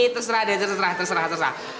terserah dia terserah terserah terserah